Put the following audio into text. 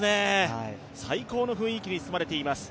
最高の雰囲気に包まれています。